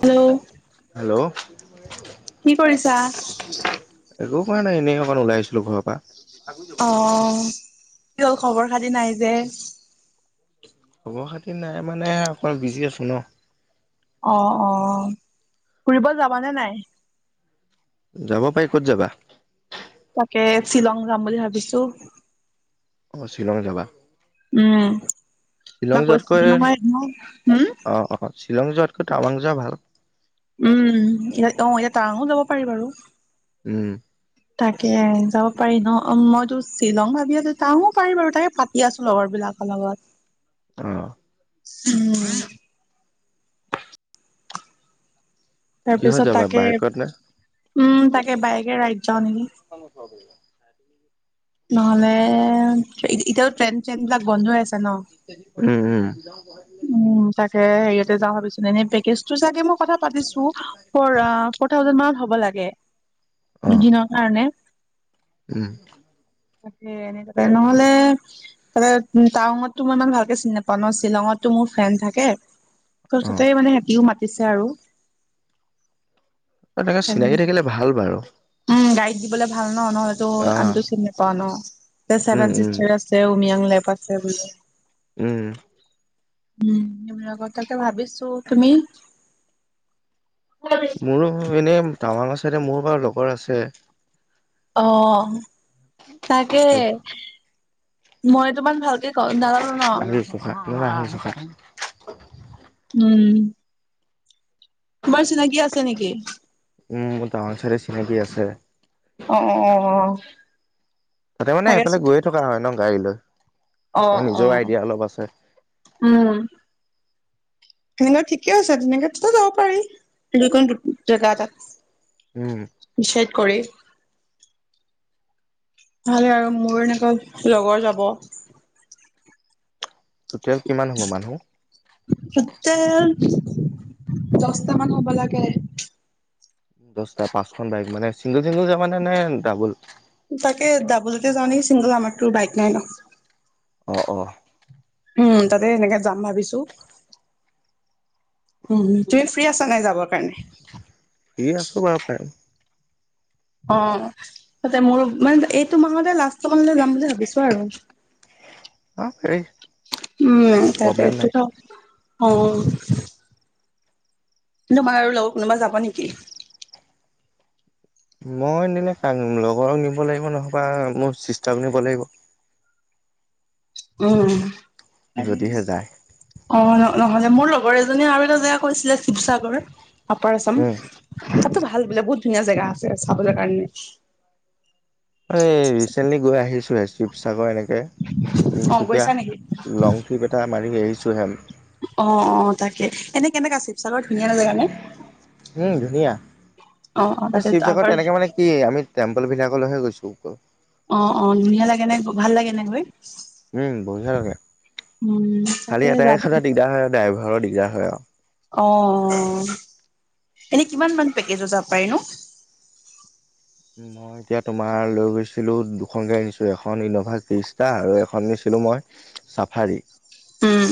Hello. Hello. কি কৰিছা? একো কৰা নাই, এনেই অকমান ওলাই আহিছিলোঁ ঘৰৰ পৰা। অ' কি হ'ল খবৰ খাতি নাই যে? খবৰ খাতি নাই মানে অকমান বিজি আছোঁ ন'। অ', অ'। ফুৰিব যাবানে নাই? যাব পাৰি। ক'ত যাবা? তাকে, শ্বিলং যাম বুলি ভাবিছোঁ। অ' শ্বিলং যাবা? উম, শ্বিলং তোমাক কৈছিলোঁ যোৱাতকৈ নহয় [unintelligible] হুম? অ অ শ্বিলং যোৱাতকৈ টাৱাং যোৱা ভাল? উম, ইয়াত অ এতিয়া টাৱাঙো যাব পাৰি বাৰু। উম। [unintelligible] তাকে যাব পাৰি ন? মইতো শ্বিলং ভাবি আছোঁ টাৱাংও পাৰি বাৰু তাকে পাতি আছোঁ লগৰবিলাকৰ লগত। [unintelligible] অ'। উম [unintelligible] তাৰ কিহত পিছত যাবা তাকে বাইকত নে উম তাকে বাইকে ৰাইড যাওঁ নেকি? চ কৰি [unintelligible] উম নহ'লে এতিয়াও ট্ৰেইন চ্ৰেইন বিলাক বন্ধ হৈ আছে ন? উম, উম। উম, তাকে হেৰিয়াতে যাওঁ ভাবিছো, এনে পেকেজটো চাগে মই কথা পাতিছো ফ'ৰ থাউজেণ্ড মানত হ'ব লাগে অ দুদিনৰ কাৰণে। উম, তাকে। এনেতে নহ'লে তাতে টাৱাংতটো মই ইমান ভালকে চিনি নাপাওঁ ন' শ্বিলঙত টো মোৰ ফ্ৰেন থাকে ত' অ ততে মানে সিহঁতিও মাতিছে আৰু। তাকে চিনাকি থাকিলে ভাল বাৰু। উম, গাইড দিবলে ভাল ন, নহ'লে অ আমিটো চিনি নাপাও ন' উম চেভেন উম চিষ্টাৰ চে উমিয়াং লেক আছে বোলে। উম, উম, আৰ তাতে ভাবিছো, তুমি? মোৰো এনেই টাৱাংৰ ছাইডে মোৰ বাৰু লগৰ আছে। অ', তাকে মই তোমাক ভাল কও নাজানো ন'। জোক লৰা হাাজোকাত। [unintelligible] উম, তোমাৰ চিনাকি আছে নেকি? উম, মোৰ টাৱাং চাইডে চিনাকি আছে। অ', অ', অ'। তাতে মানে সেইফালে গৈয়ে থকা হয় ন' গাড়ী লৈ। অ', নিজৰ অ', আইডিয়া অলপ আছে উম। সেনেকে ঠিকে আছে তেনেকো যাব পাৰি দুই ক জেগা এ তাত। উম। দিচাইড কৰে। ভালে আৰু, মোৰ এনেকা লগৰ যাব। টোটেল কিমান হ'ব মানুহ? টোটেল দহটা মান হব লাগে। দহটা, পাঁচখন বাইক মানে? চিংগল চিংগল যাবা নে ডাবুল? তাকে ডাবুলতে যাও নেকি, চিংগল আমাৰতো বাইক নাই ন'? অঁ, অঁ। উম, তাতে সেনেকে যাম ভাবিছো। তুমি ফ্ৰী আছা নাই যাবৰ কাৰণে? ফ্ৰী আছো বাৰু। অ', তাতে মোৰ মানে এইটো মাহতে লাষ্ট [unintelligible] যাম বুলি ভাবিছো আৰু। অ পাৰি উম, প্ৰব্লেম নাই তাকেটো অ'। [unintelligible] আৰু লগৰ কোনোবা যাব নেকি? মই নিলে কাক লগৰক নিব লাগিব নহবা মোৰ চিষ্টাৰক নিব লাগিব। উম। যদিহে যায় অ', নহ'লে মোৰ লগৰ এজনীয়ে আৰু এটা জেগা কৈছিলে শিৱসাগৰ। আপাৰ আছাম, উম তাতো ভাল বোলে বহুত ধুনীয়া জেগা আছে চাবলৈ কাৰণে। এই ৰিচেণ্টলি গৈ আহিছোঁহে শিৱসাগৰ এনেকৈ অ গৈছা নেকি? তিনিচুকীয়া লং ট্ৰিপ এটা মাৰি আহিছোঁ হে আমি। অ', অ', তাকে এনে কে এনেকা শিৱসাগৰ ধুনীয়া জেগা নে? উম, ধুনীয়া অ অ এই তাতে শিৱসাগৰত আগৰ তেনেকে মানে কি আমি টেম্পল বিলাকলৈহে গৈছো অকল। অ', অ', ধুনীয়া লাগে নে ভাল লাগে নে গৈ? উম, বঢ়িয় ভাল লাগে। উম। খালি তাকে এটাই যাব কথা দিগদাৰ হয়, আৰু ড্ৰাইভাৰৰ দিগদাৰ হয় আৰু। অ', এনে কিমান মান পেকেজত যাব পাৰি নো? উ, মই এতিয়া তোমাৰ লৈ গৈছিলোঁ দুখন গাড়ী নিছোঁ এখন ইন'ভা কৃষ্টা আৰু এখন নিছিলোঁ মই চাফাৰী। উম।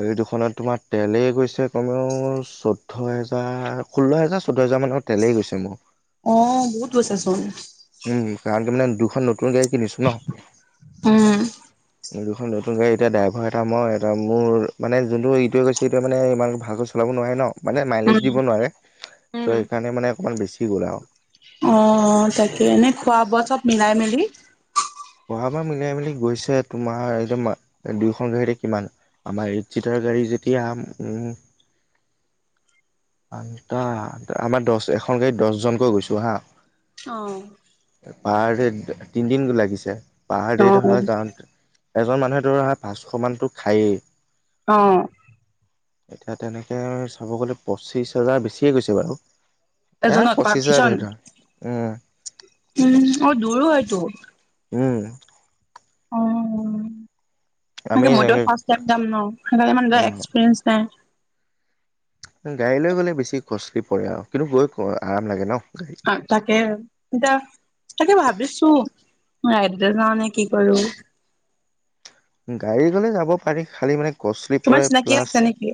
হেই দুখনত তোমাৰ তেলেই গৈছে কমেও চৈধ্য হেজাৰ ষোল্ল হেজাৰ চৈধ্য হেজাৰ মানত তেলেই গৈছে মোৰ। অ', বহুত গৈছ চোন। উম, কাৰণ কি মানে দুখন নতুন গাড়ী কিনিছো ন'! উম। এই দুখন নতুন গাড়ী এতিয়া ড্ৰভাৰ এটা মই এটা মোৰ মানে যোনটো ইটোৱে গৈছে এইটোৱে মানে ইমান ভালকৈ চলাব নোৱাৰে ন'! মানে মাইলেজ উম দিব নোৱাৰে চ' উম। সেইকাৰণে মানে অকণমান বেছি গ'ল আৰু। অ', তাকে এনে খোৱা বোৱা চব মিলাই মেলি? [unintelligible] মিলিয়াই মিলি গৈছে তোমাৰ এইদম দুয়োখন গাড়ীতে কিমান আমাৰ এইট চিটাৰ গাড়ী যেতিয়া উম আটা আমাৰ দহ এখন গাড়ীত দহজনকৈ গৈছো হা। অ'। পাৰ দে তিনিদিন লাগিছে পাৰ দে ধৰা যাওঁ এজন মানুহে ধৰা পাঁচশ মানতো খায়েই। অ'। এতিয়া তেনেকে চাব গলে পঁচিশ হাজাৰ বেছিয়ে গৈছে বাৰু। এ এজনত পাৰ পঁচিছ হাজাৰ পাৰ্চন ধৰি থোৱা, উম। উম, আৰু, দূৰো হয়টো। উম। অ', আমি মইতো ফাৰ্ষ্ট টাইম যাম ন' সেইকাৰণে ইমান এটা অ' এক্সপিৰিয়েঞ্চ নাই। গাড়ী লৈ গ'লে বেছি কষ্টলি পৰে আৰু কিন্তু গৈ আৰাম লাগে ন' গাড়ীত। তাকে এতিয়া তাকে ভাবিছো ৰাইদতে যাও নে কি কৰোঁ! গাড়ী গ'লে যাব পাৰি খালি মানে কছিলি তোমাৰ পৰে চিনাকি প্লাছ আছে নেকি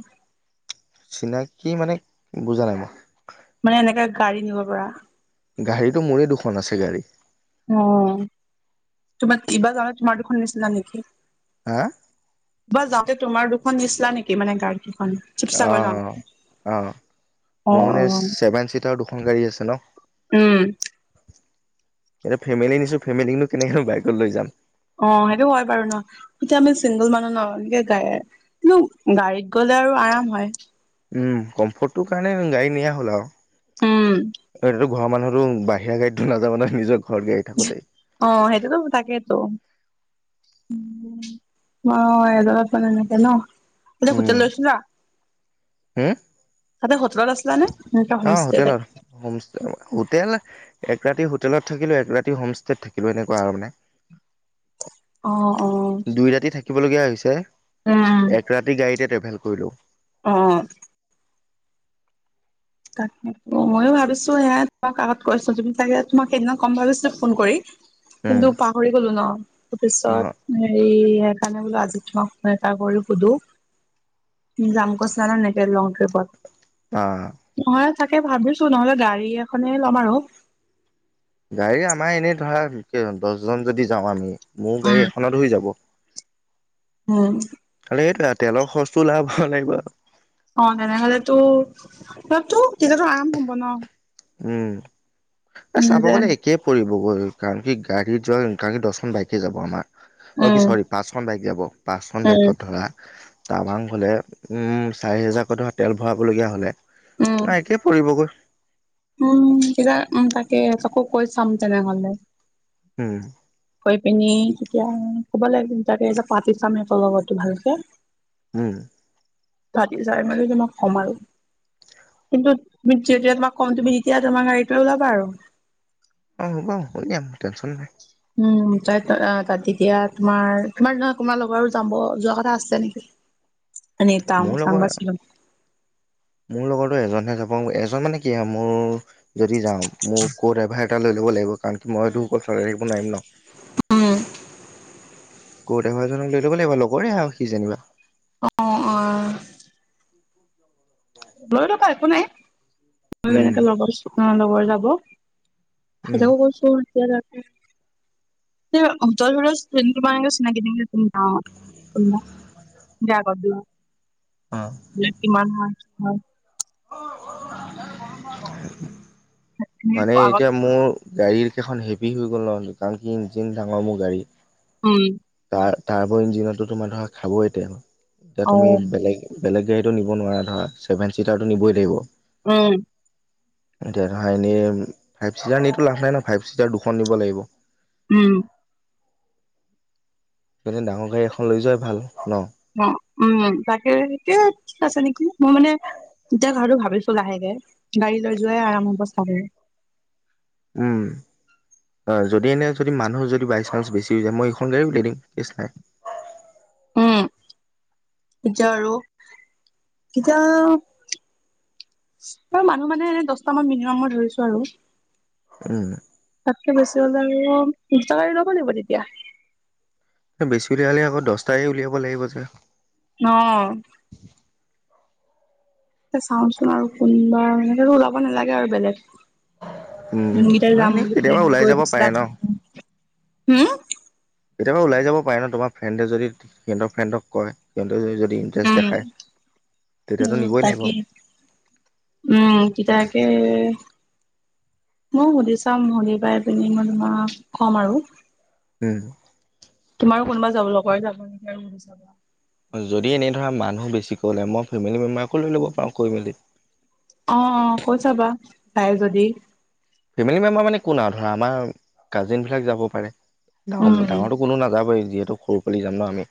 চিনাকি মানে বুজা নাই মই। মানে এনেকে গাড়ী নিব পৰা। গাড়ীটো মোৰে দুখন আছে গাড়ী। অ', তোমাৰ এইবাৰ যাওঁতে তোমাৰ দুখন নিছিলা নেকি? হা? এইবাৰ যাওঁতে তোমাৰ দুখন নিচিলা নেকি মানে গাড়ীকিখন? অ', অ', অ', অ মোৰ অ মানে ছেভেন চিটাৰ দুখন গাড়ী আছে ন। উম। এতিয়া ফেমিলি নিছো ফেমিকনো কেনেকৈ বাইকত লৈ যাম। অ', সেইটো হয় বাৰু ন। এতিয়া আমি চিংগল মানুহ ন এনেকে গে কিন্তু গাড়ীত গ'লে আৰু আৰাম হয়। উম, কমফৰ্টটোৰ কাৰণে গাড়ী নিয়া হ'ল উম আৰু ঘৰ মানুহটো বাহিৰা গড়ীত নাযাব ন নিজৰ ঘৰত গাড়ী থাকোতেই। অ', সেইটোতো তাকেতো। অ', মই এজনত মানে এনেকে ন, এনেই উম হোটেল লৈছিলো? হম? তাতে হোটেলত আছিলা নে? এনেকে অ', হোমষ্টে টাইপ হোটেলত। হোম হোটেল এক ৰাতি হোটেলত থাকিলো এক ৰাতি হোমষ্টেত থাকিলো এনেকুৱা আৰু মানে। [inaudible] অ অ দুই ৰাতি থাকিবলগীয়া হৈছে উম এক ৰাতি গাড়ীতে ট্ৰেভেল কৰিলোঁ। অ'। তাকেতো ময়ো ভাবিছো সেয়াই তোমাক আগত কৈছো তুমি চাগে তোমাক সেইদিনা কম ভাবিছিলো ফোন কৰি। উম কিন্তু পাহৰি গ'লো ন তাৰ অ পিছত হেৰি সেইকাৰণে বোলো আজি তোমাক ফোন এটা কৰি সোধো যাম কৈছিলা ন এনেকে লং ট্ৰিপত। অ'। নহয় তাকে ভাবিছো নহ'লে গাড়ী এখনে ল'ম আৰু। গাড়ী আমাৰ এনেই ধৰা দহজন যদি যাওঁ আমি মোৰ গাড়ী উম, এখনত হৈ যাব। হম। আৰু এইটোৱে আৰু তেলৰ খৰচটো উলাব লাগিব আৰু। অ', তেনেহ'লেতো অপতো তেতিয়াতো আৰাম হ'ব ন। উম, এ উম, চাব যে গ'লে একেই পৰিবগৈ কাৰণ কি গাড়ীত যোৱা দহখন বাইকে যাব আমাৰ। অ', কি উম, চৰি পাঁচখন বাইক যাব। পাঁচখন উম, বাইকত ধৰা টাৱাং গ'লে উম চাৰি হেজাৰকৈ টকা তেল ভৰাবলগীয়া হ'লে ন একেই পৰিবগৈ। উম, কিবা উম তাকে তকো কৈ চাম তেনেহ'লে উম। কৈ পিনি তেতিয়া ক'ব লাগে দুটাকে পাতি চামৰ সিহঁতৰ লগতো ভালকে। উম। পাতি চাই মেলি তোমাক কম আৰু। কিন্তু তুমি যেতিয়া তোমাক কম তুমি তেতিয়া তোমাৰ গাড়ীটো ওলাবা আৰু। অ', হ'ব উলিয়াম টেনশ্যন নাই। উম, যায় তাত এতিয়া তোমাৰ তোমাৰ তোমাৰ নহয় লগৰো আৰু যাব যোৱা কথা আছিলে নেকি? [unintelligible] এনেই টাউন মোৰ চাং লগৰ বা শ্বিলং। মোৰ লগতো এজনহে যাব এজন মানে কি আও মোৰ যদি যাওঁ মোৰ ক' ড্ৰাইভাৰ এটা লৈ ল'ব লাগিব কাৰণ কি উম। মইটো অকল চলাই থাকিব নোৱাৰিম ন উম, ক ড্ৰাইভাৰ এজনক লৈ ল'ব লাগিব লগৰে হয় সি যেনিবা অ অ লৈ লবা একো নাই উম যেনেকে লগৰ লগৰ যাব উম [unintelligible] [unintelligible] চিনাকি দি তুমি গাঁৱত বেয়া পাব দিয়া অ। ৰেত কিমান হয় [unintelligible] এনে মানে আগত এতিয়া মোৰ গাড়ীৰ কেইখন হেভি হৈ গ'ল ন কাৰণ কি ইঞ্জিন ডাঙৰ মোৰ গাড়ী উম তাৰ তাৰ উপৰিও ইঞ্জিনতো তোমাৰ ধৰা খাবই তেল এতিয়া তুমি অ', বেলেগ বেলেগ গাড়ীটো নিব নোৱাৰা ধৰ ছেভেন চিটাৰটো নিবই লাগিব উম এতিয়া ধৰা এনেই ফাইভ চিটাৰ নিতো লাভ নাই ন ফাইভ চিটাৰ দুখন নিব লাগিব উম সেয়ে ডাঙৰ গাড়ী এখন লৈ যোৱাই ভাল ন অ উম তাকে সেইটোয়ে ঠিক আছে নেকি মই মানে এতিয়া ঘৰতো ভাবিছো লাহেকে গাড়ী লৈ যোৱাই আৰাম হ'ব চাগে উম অ যদি এনে যদি মানুহ যদি বাই চেন্স বেছি হৈ যায় মই এইখন গাড়ী উলিয়াইম দিম ৰিছ নাই উম এতিয়া আৰু এতিয়া মানুহ মানে এনে দহটা মান মিনিমামৰ ধৰিছো আৰু উম তাতকে বেছি হ'লে আৰু দুটা গাড়ী ল'ব লাগিব তেতিয়া বেছি উলিয়ালে আকৌ দহটাই উলিয়াব লাগিব যে অ চাওচোন আৰু কোনবাৰ এনেতো ওলাব নালাগে আৰু বেলেগ উম যোনকেইটা নাই যাম এনেই বুলি কেতিয়াবা এনে ওলাই কৈ যাব পাৰে দিছিলা আ ন। হুম কেতিয়াবা ওলাই যাব পাৰে ন তোমাৰ ফ্ৰেডে যদি সিহঁতৰ ফ্ৰেণ্ডক কয় সিহঁতে যদি ইণ্টাৰেষ্ট উম দেখায় তেতিয়াতো উম নিবই লাগিব তাকে উম এতিয়া তাকে মই সুধি চাম সুধি পাই পিনে মই তোমাক ক'ম আৰু উম তোমাৰ কোনোবা যাবলে কয় জানো সেয়া সুধি চাবা যদি এনে ধৰা মানুহ বেছিকৈ ওলাই মই ফেমিলি মেম্বাৰকো লৈ ল'ব পাৰোঁ কৈ মেলি অ অ কৈ চাবা যাই যদি ফেমিলি মেম্বাৰ মানে কোন আও ধৰা আমাৰ কাজিনবিলাক যাব পাৰে উম, ডাঙৰ ডাঙৰটো কোনো নাযাবই যিহেতু সৰু পোৱালি যাম ন আমি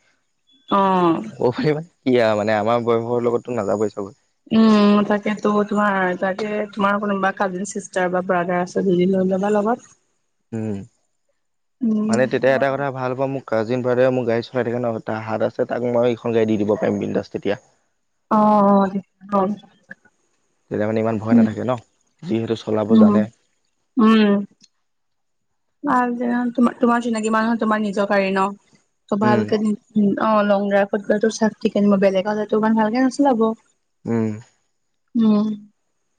অ কব পাৰিবা কি আও আমাৰ বয়সৰ লগতো নাযাবই চাগৈ উম তাকে তো তোমাৰ তাকে তোমাৰ কোনোবা কাজিন চিষ্টাৰ বা ব্ৰডাৰ আছে যদি লৈ লবা লগত [unintelligible] উম উম, মানে তে এতিয়া এটা কথা ভাল হোৱা মোৰ কাজিন ব্ৰাদাৰে মোৰ গাড়ী চলাই থাকে ন, তাহাত আছে তাক মই ইখন গাড়ী দি দিব পাৰিম বিন্দাচ তেতিয়া। অ অ। [unintelligible] তেতিয়া মানে ইমান ভয় উম, নাথাকে ন, যিহেতু চলাব উম, জানে। উম। ভাল দিয়া, তোমা তোমাৰ চিনাকি মানুহ তোমাৰ নিজৰ গাড়ী ন ত উম ভালকে নি উম, অ লং ড্ৰাইভত গ'লেটো চব ঠিকে উম বেলেগ হলেতো ইমান ভালকে নচলাব। উম। উম।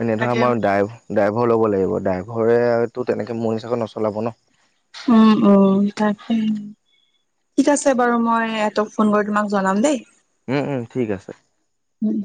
এনে ধৰা তাকে আমাৰ ডাই ড্ৰাইভৰ ল'ব লাগিব, ড্ৰাইভৰেতো তেনেকে মোৰ হিচাপে নচলাব ন? উম উম তাকে। ঠিক আছে বাৰু মই ইহঁতক ফোন কৰি তোমাক জনাম দেই। উম উম ঠিক আছে। উম